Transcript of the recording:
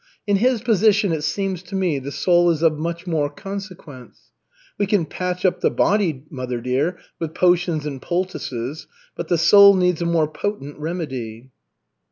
In his position, it seems to me, the soul is of much more consequence. We can patch up the body, mother dear, with potions and poultices, but the soul needs a more potent remedy."